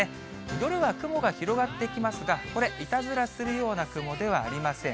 夜は雲が広がってきますが、これ、いたずらするような雲ではありません。